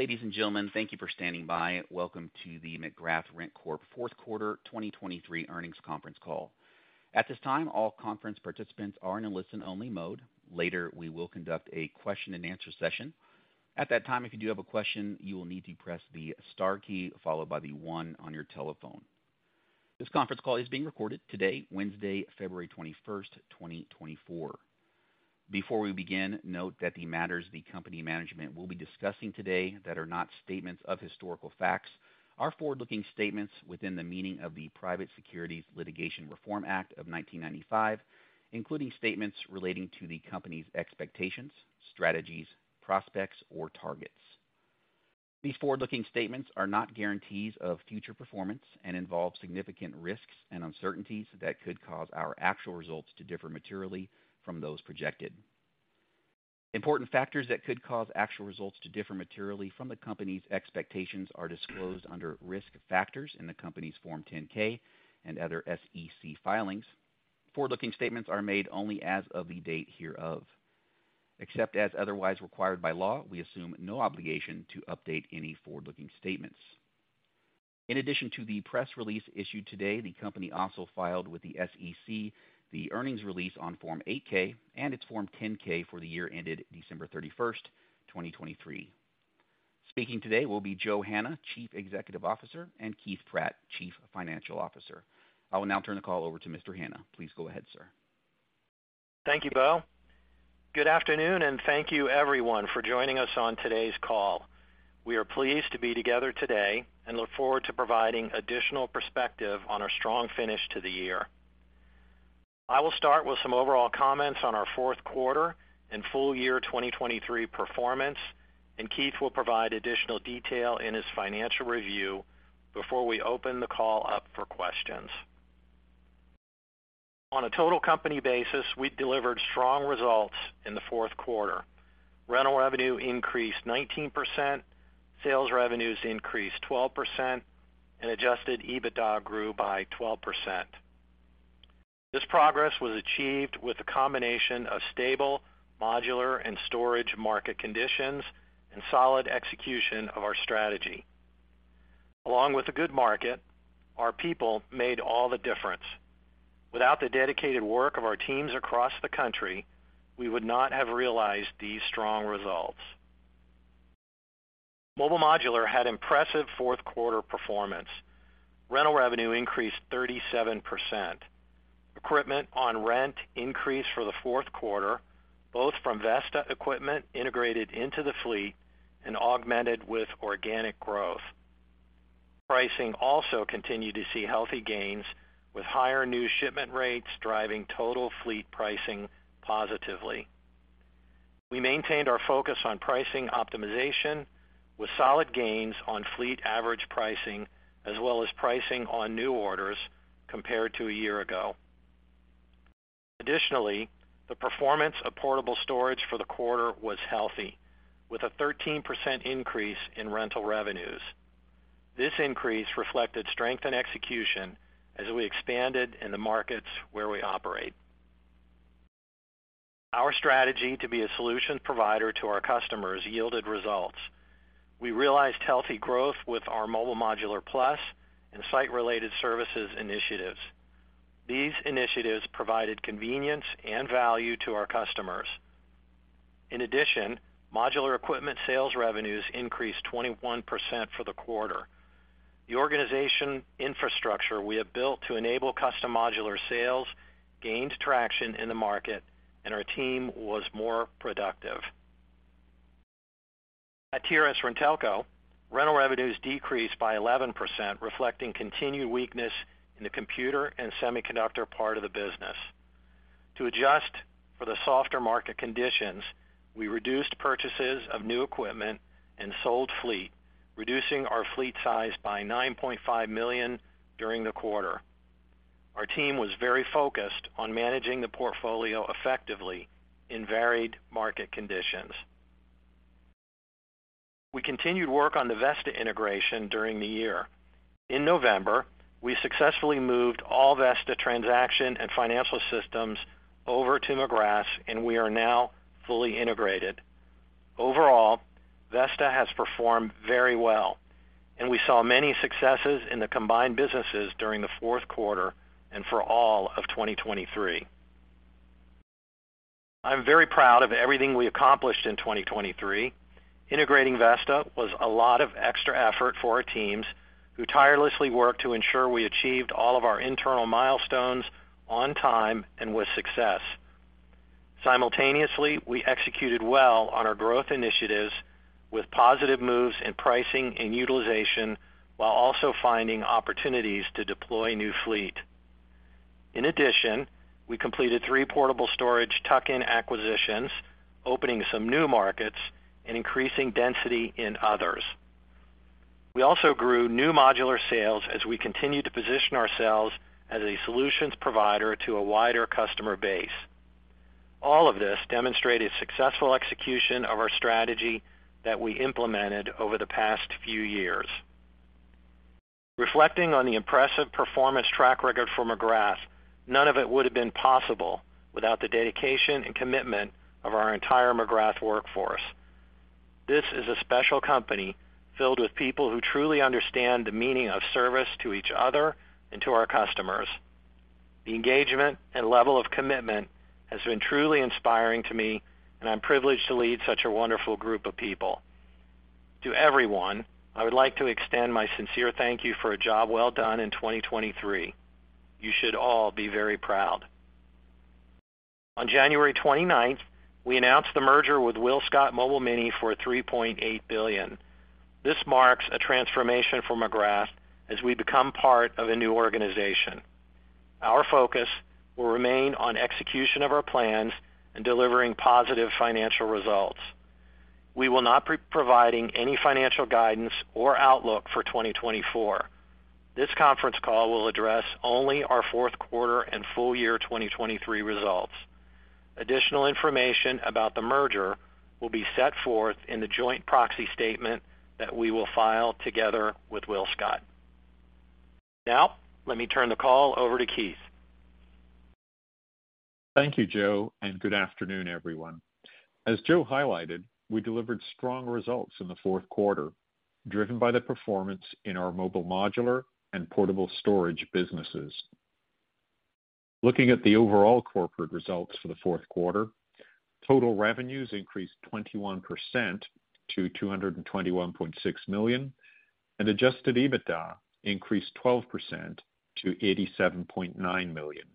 Ladies and gentlemen, thank you for standing by. Welcome to the McGrath RentCorp fourth quarter 2023 earnings conference call. At this time, all conference participants are in a listen-only mode. Later, we will conduct a question-and-answer session. At that time, if you do have a question, you will need to press the STAR key followed by the one on your telephone. This conference call is being recorded today, Wednesday, February 21st, 2024. Before we begin, note that the matters the company management will be discussing today that are not statements of historical facts are forward-looking statements within the meaning of the Private Securities Litigation Reform Act of 1995, including statements relating to the company's expectations, strategies, prospects, or targets. These forward-looking statements are not guarantees of future performance and involve significant risks and uncertainties that could cause our actual results to differ materially from those projected. Important factors that could cause actual results to differ materially from the company's expectations are disclosed under Risk Factors in the company's Form 10-K and other SEC filings. Forward-looking statements are made only as of the date hereof. Except as otherwise required by law, we assume no obligation to update any forward-looking statements. In addition to the press release issued today, the company also filed with the SEC the earnings release on Form 8-K and its Form 10-K for the year ended December 31st, 2023. Speaking today will be Joe Hanna, Chief Executive Officer, and Keith Pratt, Chief Financial Officer. I will now turn the call over to Mr. Hanna. Please go ahead, sir. Thank you, Beau. Good afternoon, and thank you, everyone, for joining us on today's call. We are pleased to be together today and look forward to providing additional perspective on our strong finish to the year. I will start with some overall comments on our fourth quarter and full year 2023 performance, and Keith will provide additional detail in his financial review before we open the call up for questions. On a total company basis, we delivered strong results in the fourth quarter. Rental revenue increased 19%, sales revenues increased 12%, and adjusted EBITDA grew by 12%. This progress was achieved with a combination of stable, modular, and storage market conditions and solid execution of our strategy. Along with a good market, our people made all the difference. Without the dedicated work of our teams across the country, we would not have realized these strong results. Mobile Modular had impressive fourth quarter performance. Rental revenue increased 37%. Equipment on rent increased for the fourth quarter, both from Vesta equipment integrated into the fleet and augmented with organic growth. Pricing also continued to see healthy gains, with higher new shipment rates driving total fleet pricing positively. We maintained our focus on pricing optimization, with solid gains on fleet average pricing as well as pricing on new orders compared to a year ago. Additionally, the performance of Portable Storage for the quarter was healthy, with a 13% increase in rental revenues. This increase reflected strength and execution as we expanded in the markets where we operate. Our strategy to be a solution provider to our customers yielded results. We realized healthy growth with our Mobile Modular Plus and Site Related Services initiatives. These initiatives provided convenience and value to our customers. In addition, modular equipment sales revenues increased 21% for the quarter. The organization infrastructure we have built to enable custom modular sales gained traction in the market, and our team was more productive. At TRS-RenTelco, rental revenues decreased by 11%, reflecting continued weakness in the computer and semiconductor part of the business. To adjust for the softer market conditions, we reduced purchases of new equipment and sold fleet, reducing our fleet size by 9.5 million during the quarter. Our team was very focused on managing the portfolio effectively in varied market conditions. We continued work on the Vesta integration during the year. In November, we successfully moved all Vesta transaction and financial systems over to McGrath, and we are now fully integrated. Overall, Vesta has performed very well, and we saw many successes in the combined businesses during the fourth quarter and for all of 2023. I'm very proud of everything we accomplished in 2023. Integrating Vesta was a lot of extra effort for our teams who tirelessly worked to ensure we achieved all of our internal milestones on time and with success. Simultaneously, we executed well on our growth initiatives with positive moves in pricing and utilization while also finding opportunities to deploy new fleet. In addition, we completed three Portable Storage tuck-in acquisitions, opening some new markets and increasing density in others. We also grew new modular sales as we continued to position ourselves as a solutions provider to a wider customer base. All of this demonstrated successful execution of our strategy that we implemented over the past few years. Reflecting on the impressive performance track record for McGrath, none of it would have been possible without the dedication and commitment of our entire McGrath workforce. This is a special company filled with people who truly understand the meaning of service to each other and to our customers. The engagement and level of commitment has been truly inspiring to me, and I'm privileged to lead such a wonderful group of people. To everyone, I would like to extend my sincere thank you for a job well done in 2023. You should all be very proud. On January 29th, we announced the merger with WillScot Mobile Mini for $3.8 billion. This marks a transformation for McGrath as we become part of a new organization. Our focus will remain on execution of our plans and delivering positive financial results. We will not be providing any financial guidance or outlook for 2024. This conference call will address only our fourth quarter and full year 2023 results. Additional information about the merger will be set forth in the joint proxy statement that we will file together with WillScot. Now, let me turn the call over to Keith. Thank you, Joe, and good afternoon, everyone. As Joe highlighted, we delivered strong results in the fourth quarter, driven by the performance in our Mobile Modular and Portable Storage businesses. Looking at the overall corporate results for the fourth quarter, total revenues increased 21% to $221.6 million, and adjusted EBITDA increased 12% to $87.9 million.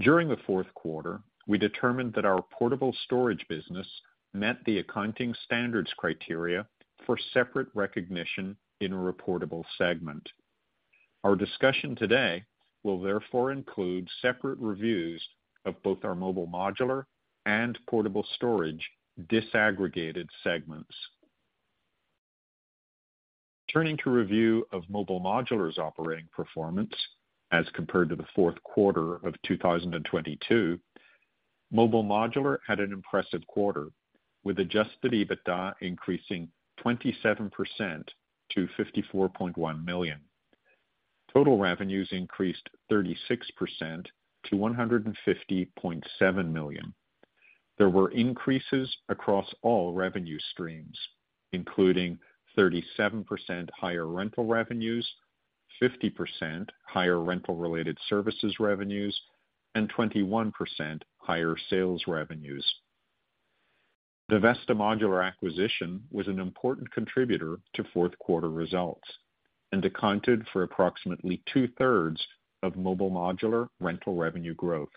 During the fourth quarter, we determined that our Portable Storage business met the accounting standards criteria for separate recognition in a reportable segment. Our discussion today will therefore include separate reviews of both our Mobile Modular and Portable Storage disaggregated segments. Turning to review of Mobile Modular's operating performance as compared to the fourth quarter of 2022, Mobile Modular had an impressive quarter, with adjusted EBITDA increasing 27% to $54.1 million. Total revenues increased 36% to $150.7 million. There were increases across all revenue streams, including 37% higher rental revenues, 50% higher rental-related services revenues, and 21% higher sales revenues. The Vesta Modular acquisition was an important contributor to fourth quarter results and accounted for approximately 2/3 of Mobile Modular rental revenue growth.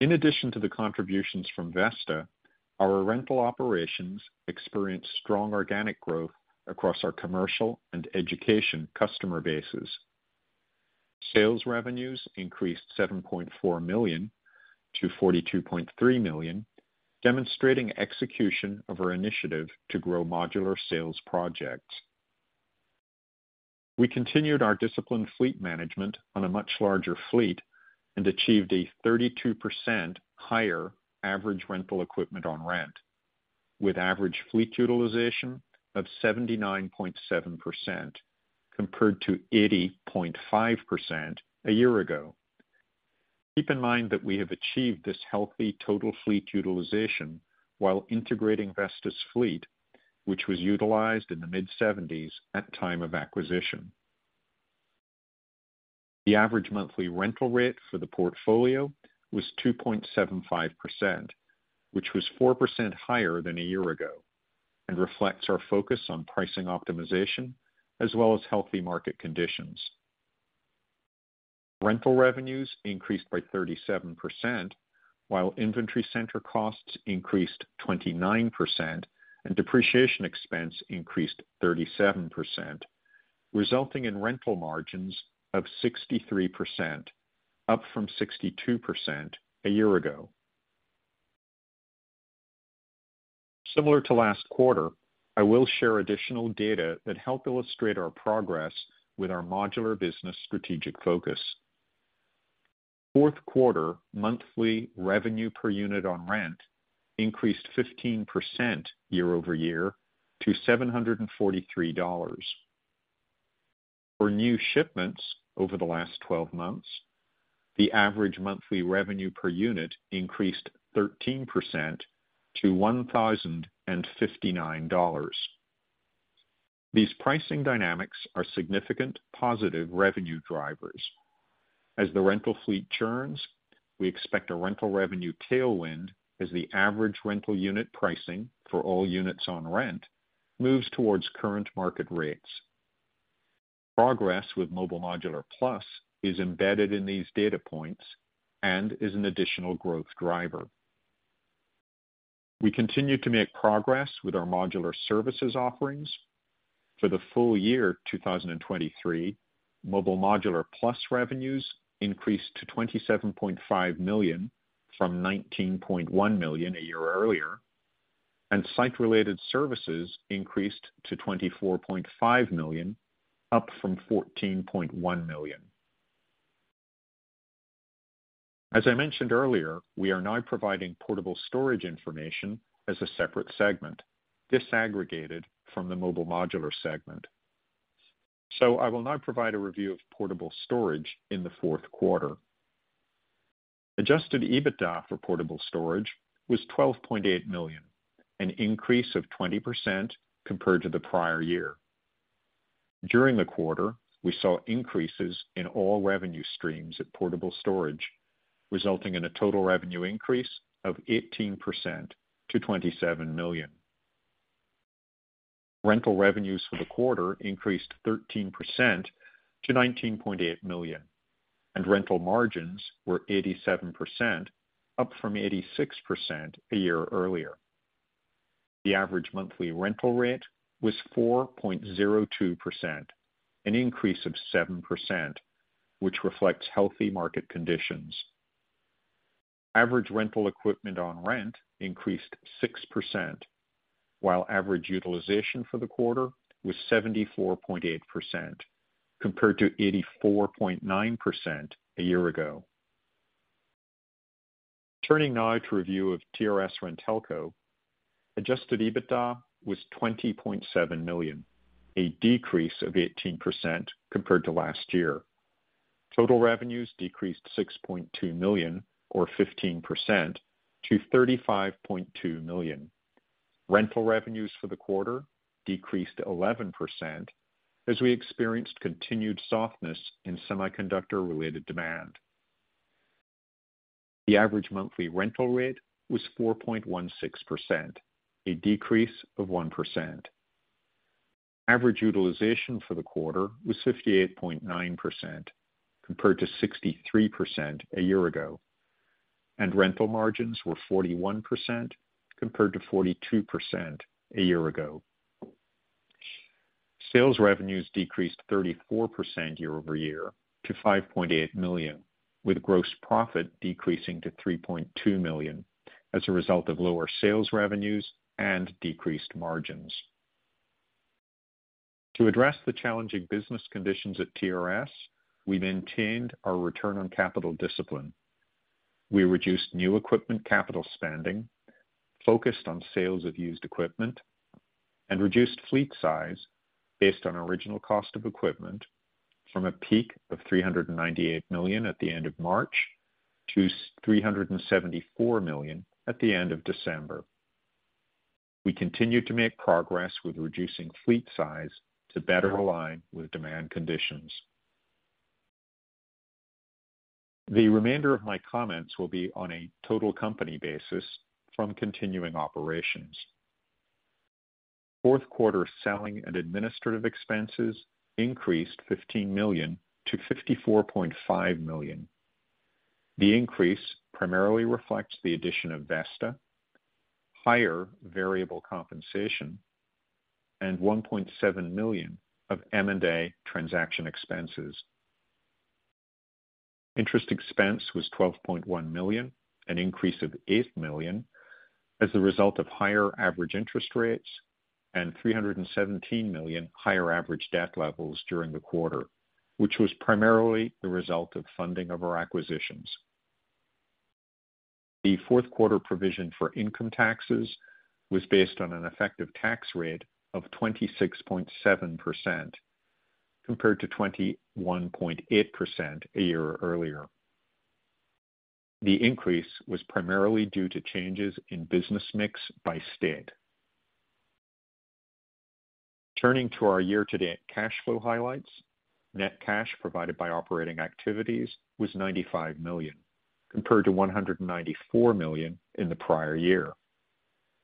In addition to the contributions from Vesta, our rental operations experienced strong organic growth across our commercial and education customer bases. Sales revenues increased $7.4 million to $42.3 million, demonstrating execution of our initiative to grow modular sales projects. We continued our disciplined fleet management on a much larger fleet and achieved a 32% higher average rental equipment on rent, with average fleet utilization of 79.7% compared to 80.5% a year ago. Keep in mind that we have achieved this healthy total fleet utilization while integrating Vesta's fleet, which was utilized in the mid-1970s at time of acquisition. The average monthly rental rate for the portfolio was 2.75%, which was 4% higher than a year ago and reflects our focus on pricing optimization as well as healthy market conditions. Rental revenues increased by 37% while inventory center costs increased 29% and depreciation expense increased 37%, resulting in rental margins of 63%, up from 62% a year ago. Similar to last quarter, I will share additional data that help illustrate our progress with our modular business strategic focus. Fourth quarter monthly revenue per unit on rent increased 15% year-over-year to $743. For new shipments over the last 12 months, the average monthly revenue per unit increased 13% to $1,059. These pricing dynamics are significant positive revenue drivers. As the rental fleet churns, we expect a rental revenue tailwind as the average rental unit pricing for all units on rent moves towards current market rates. Progress with Mobile Modular Plus is embedded in these data points and is an additional growth driver. We continue to make progress with our modular services offerings. For the full year 2023, Mobile Modular Plus revenues increased to $27.5 million from $19.1 million a year earlier, and Site Related Services increased to $24.5 million, up from $14.1 million. As I mentioned earlier, we are now providing Portable Storage information as a separate segment, disaggregated from the Mobile Modular segment. So I will now provide a review of Portable Storage in the fourth quarter. Adjusted EBITDA for Portable Storage was $12.8 million, an increase of 20% compared to the prior year. During the quarter, we saw increases in all revenue streams at Portable Storage, resulting in a total revenue increase of 18% to $27 million. Rental revenues for the quarter increased 13% to $19.8 million, and rental margins were 87%, up from 86% a year earlier. The average monthly rental rate was 4.02%, an increase of 7%, which reflects healthy market conditions. Average rental equipment on rent increased 6%, while average utilization for the quarter was 74.8% compared to 84.9% a year ago. Turning now to review of TRS-RenTelco, adjusted EBITDA was $20.7 million, a decrease of 18% compared to last year. Total revenues decreased $6.2 million, or 15%, to $35.2 million. Rental revenues for the quarter decreased 11% as we experienced continued softness in semiconductor-related demand. The average monthly rental rate was 4.16%, a decrease of 1%. Average utilization for the quarter was 58.9% compared to 63% a year ago, and rental margins were 41% compared to 42% a year ago. Sales revenues decreased 34% year-over-year to $5.8 million, with gross profit decreasing to $3.2 million as a result of lower sales revenues and decreased margins. To address the challenging business conditions at TRS, we maintained our return on capital discipline. We reduced new equipment capital spending, focused on sales of used equipment, and reduced fleet size based on original cost of equipment from a peak of $398 million at the end of March to $374 million at the end of December. We continue to make progress with reducing fleet size to better align with demand conditions. The remainder of my comments will be on a total company basis from continuing operations. Fourth quarter selling and administrative expenses increased $15 million to $54.5 million. The increase primarily reflects the addition of Vesta, higher variable compensation, and $1.7 million of M&A transaction expenses. Interest expense was $12.1 million, an increase of $8 million as the result of higher average interest rates and $317 million higher average debt levels during the quarter, which was primarily the result of funding of our acquisitions. The fourth quarter provision for income taxes was based on an effective tax rate of 26.7% compared to 21.8% a year earlier. The increase was primarily due to changes in business mix by state. Turning to our year-to-date cash flow highlights, net cash provided by operating activities was $95 million compared to $194 million in the prior year.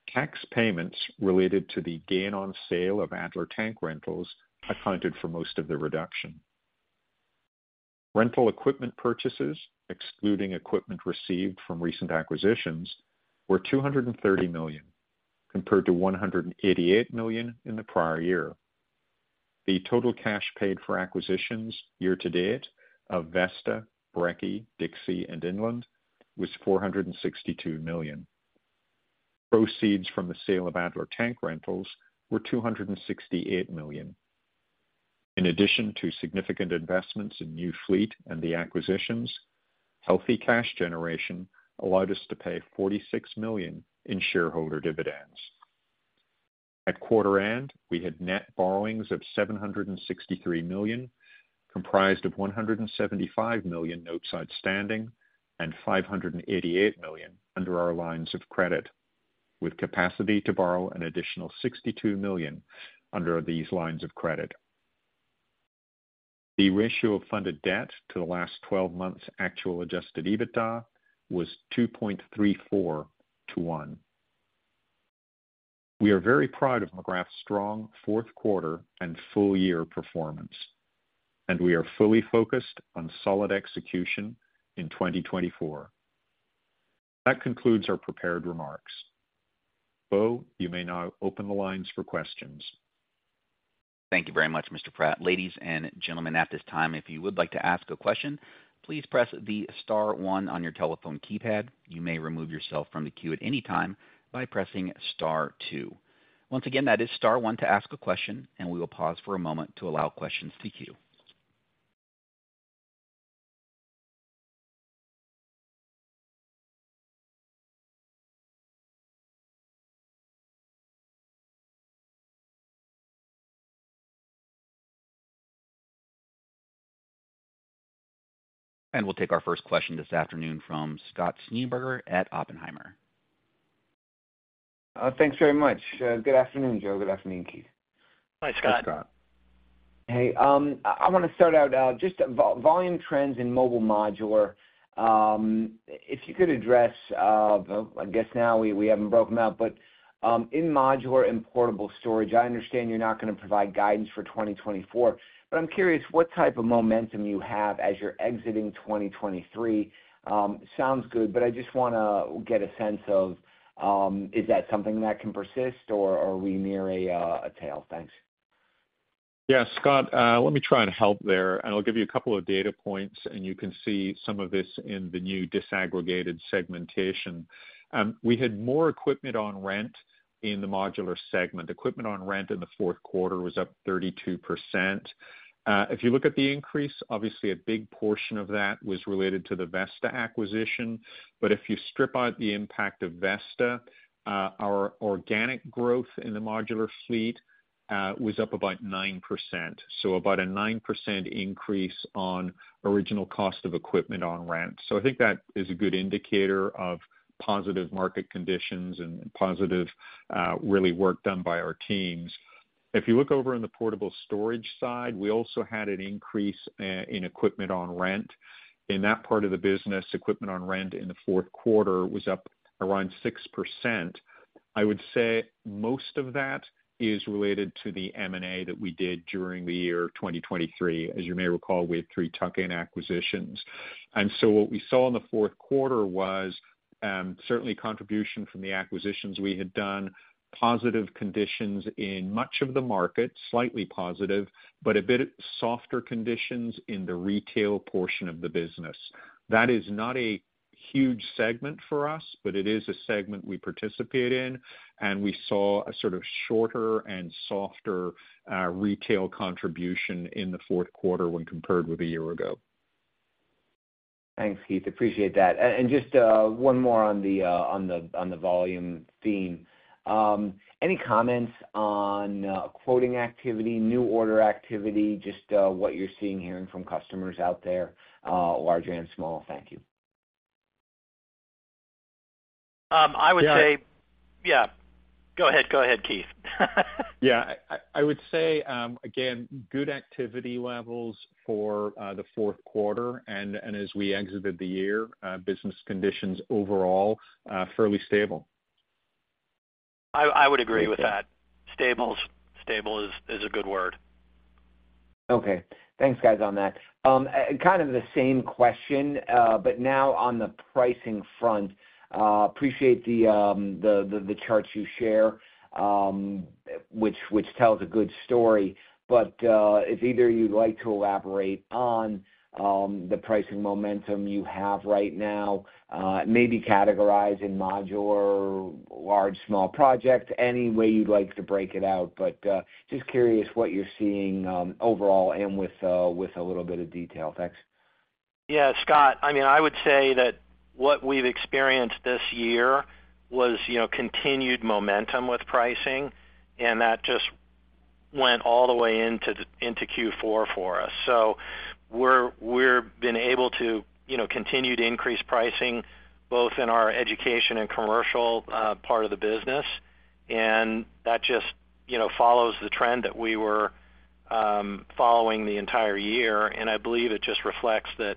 Tax payments related to the gain on sale of Adler Tank Rentals accounted for most of the reduction. Rental equipment purchases, excluding equipment received from recent acquisitions, were $230 million compared to $188 million in the prior year. The total cash paid for acquisitions year-to-date of Vesta, Brekke, Dixie, and Inland was $462 million. Proceeds from the sale of Adler Tank Rentals were $268 million. In addition to significant investments in new fleet and the acquisitions, healthy cash generation allowed us to pay $46 million in shareholder dividends. At quarter end, we had net borrowings of $763 million, comprised of $175 million notes outstanding and $588 million under our lines of credit, with capacity to borrow an additional $62 million under these lines of credit. The ratio of funded debt to the last 12 months' actual adjusted EBITDA was 2.34 to one. We are very proud of McGrath's strong fourth quarter and full year performance, and we are fully focused on solid execution in 2024. That concludes our prepared remarks. Beau, you may now open the lines for questions. Thank you very much, Mr. Pratt. Ladies and gentlemen, at this time, if you would like to ask a question, please press the star one on your telephone keypad. You may remove yourself from the queue at any time by pressing star two. Once again, that is star one to ask a question, and we will pause for a moment to allow questions to queue. And we'll take our first question this afternoon from Scott Schneeberger at Oppenheimer. Thanks very much. Good afternoon, Joe. Good afternoon, Keith. Hi, Scott. Hey, Scott. Hey. I want to start out just volume trends in Mobile Modular. If you could address, I guess now we haven't broken up, but in Modular and Portable Storage, I understand you're not going to provide guidance for 2024, but I'm curious what type of momentum you have as you're exiting 2023. Sounds good, but I just want to get a sense of is that something that can persist or are we near a tail? Thanks. Yeah, Scott, let me try and help there, and I'll give you a couple of data points, and you can see some of this in the new disaggregated segmentation. We had more equipment on rent in the modular segment. Equipment on rent in the fourth quarter was up 32%. If you look at the increase, obviously, a big portion of that was related to the Vesta acquisition, but if you strip out the impact of Vesta, our organic growth in the modular fleet was up about 9%, so about a 9% increase on original cost of equipment on rent. So I think that is a good indicator of positive market conditions and positive, really, work done by our teams. If you look over in the Portable Storage side, we also had an increase in equipment on rent. In that part of the business, equipment on rent in the fourth quarter was up around 6%. I would say most of that is related to the M&A that we did during the year 2023. As you may recall, we had three tuck-in acquisitions. And so what we saw in the fourth quarter was certainly contribution from the acquisitions we had done, positive conditions in much of the market, slightly positive, but a bit softer conditions in the retail portion of the business. That is not a huge segment for us, but it is a segment we participate in, and we saw a sort of shorter and softer retail contribution in the fourth quarter when compared with a year ago. Thanks, Keith. Appreciate that. Just one more on the volume theme. Any comments on quoting activity, new order activity, just what you're seeing, hearing from customers out there, large and small? Thank you. I would say yeah. Go ahead. Go ahead, Keith. Yeah. I would say, again, good activity levels for the fourth quarter, and as we exited the year, business conditions overall fairly stable. I would agree with that. Stable is a good word. Okay. Thanks, guys, on that. Kind of the same question, but now on the pricing front. Appreciate the charts you share, which tells a good story, but if either of you would like to elaborate on the pricing momentum you have right now, maybe categorize in modular, large, small project, any way you'd like to break it out, but just curious what you're seeing overall and with a little bit of detail. Thanks. Yeah, Scott, I mean, I would say that what we've experienced this year was continued momentum with pricing, and that just went all the way into Q4 for us. So we've been able to continued increased pricing both in our education and commercial part of the business, and that just follows the trend that we were following the entire year. And I believe it just reflects that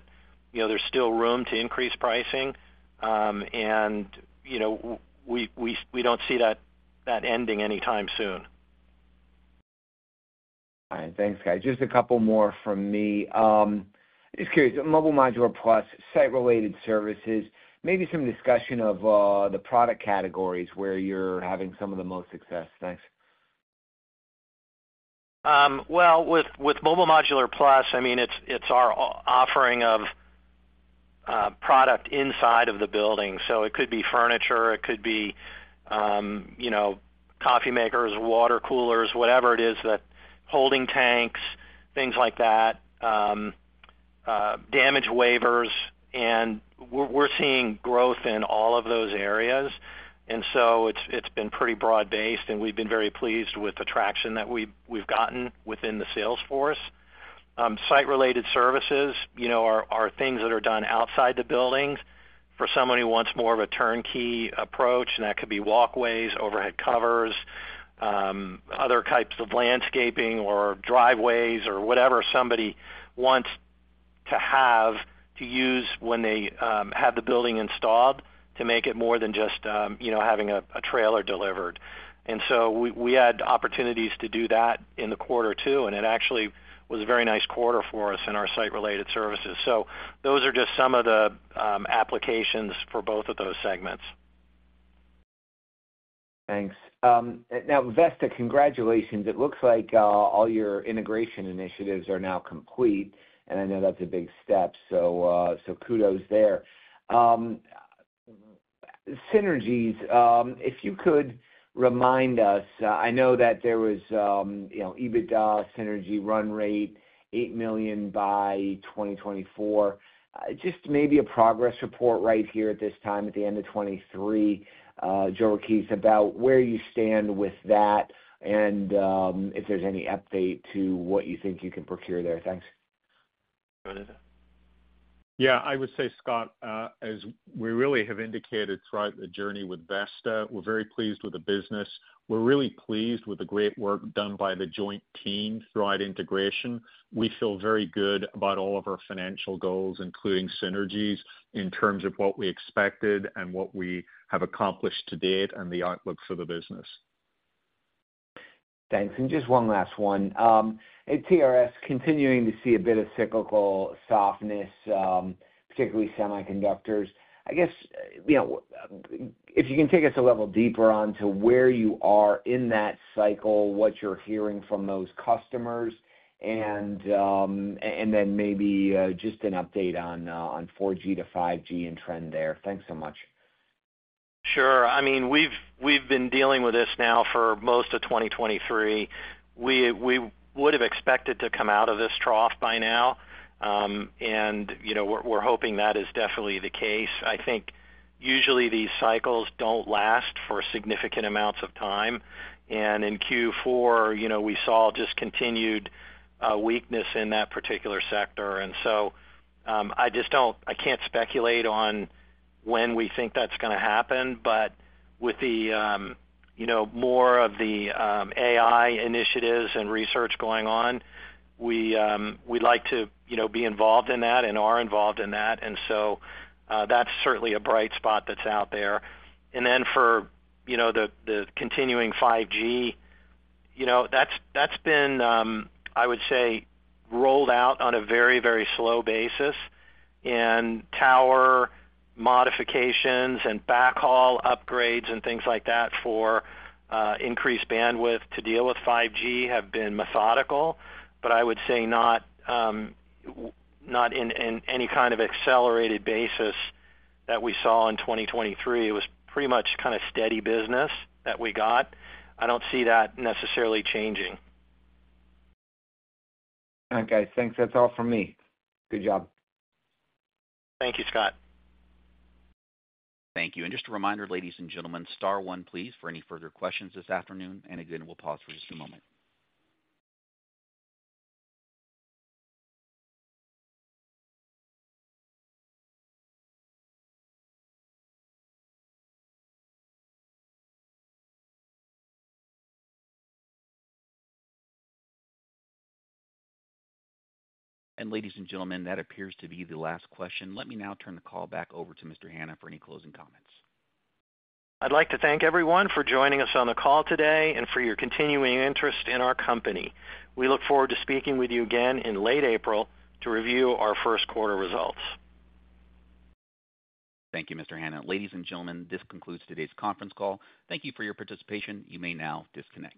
there's still room to increase pricing, and we don't see that ending anytime soon. All right. Thanks, guys. Just a couple more from me. Just curious, Mobile Modular Plus, Site Related Services, maybe some discussion of the product categories where you're having some of the most success. Thanks. Well, with Mobile Modular Plus, I mean, it's our offering of product inside of the building. So it could be furniture. It could be coffee makers, water coolers, whatever it is, holding tanks, things like that, damage waivers. And we're seeing growth in all of those areas, and so it's been pretty broad-based, and we've been very pleased with the traction that we've gotten within the sales force. Site Related Services are things that are done outside the buildings. For someone who wants more of a turnkey approach, and that could be walkways, overhead covers, other types of landscaping or driveways or whatever somebody wants to have to use when they have the building installed to make it more than just having a trailer delivered. And so we had opportunities to do that in the quarter too, and it actually was a very nice quarter for us in our Site Related Services. Those are just some of the applications for both of those segments. Thanks. Now, Vesta, congratulations. It looks like all your integration initiatives are now complete, and I know that's a big step, so kudos there. Synergies, if you could remind us. I know that there was EBITDA synergy run rate $8 million by 2024. Just maybe a progress report right here at this time at the end of 2023, Joe or Keith, about where you stand with that and if there's any update to what you think you can procure there. Thanks. Yeah. I would say, Scott, as we really have indicated throughout the journey with Vesta, we're very pleased with the business. We're really pleased with the great work done by the joint team throughout integration. We feel very good about all of our financial goals, including synergies, in terms of what we expected and what we have accomplished to date and the outlook for the business. Thanks. Just one last one. At TRS, continuing to see a bit of cyclical softness, particularly semiconductors. I guess if you can take us a level deeper onto where you are in that cycle, what you're hearing from those customers, and then maybe just an update on 4G to 5G and trend there? Thanks so much. Sure. I mean, we've been dealing with this now for most of 2023. We would have expected to come out of this trough by now, and we're hoping that is definitely the case. I think usually these cycles don't last for significant amounts of time. And in Q4, we saw just continued weakness in that particular sector. And so I can't speculate on when we think that's going to happen, but with more of the AI initiatives and research going on, we'd like to be involved in that and are involved in that. And so that's certainly a bright spot that's out there. And then for the continuing 5G, that's been, I would say, rolled out on a very, very slow basis. Tower modifications and backhaul upgrades and things like that for increased bandwidth to deal with 5G have been methodical, but I would say not in any kind of accelerated basis that we saw in 2023. It was pretty much kind of steady business that we got. I don't see that necessarily changing. All right, guys. Thanks. That's all from me. Good job. Thank you, Scott. Thank you. Just a reminder, ladies and gentlemen, star one, please, for any further questions this afternoon. Again, we'll pause for just a moment. Ladies and gentlemen, that appears to be the last question. Let me now turn the call back over to Mr. Hanna for any closing comments. I'd like to thank everyone for joining us on the call today and for your continuing interest in our company. We look forward to speaking with you again in late April to review our first quarter results. Thank you, Mr. Hanna. Ladies and gentlemen, this concludes today's conference call. Thank you for your participation. You may now disconnect.